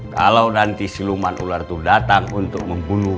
kalau nanti siluman ular itu datang untuk membunuh